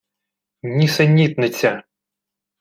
Нісенітниця!